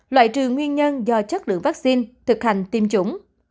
loại trừ nguyên nhân do chất lượng vaccine thực hành tiêm chủng